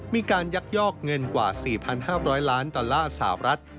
มีการยักยอกเงินกว่า๔๕๐๐ล้านดอลลาร์สาวรัฐ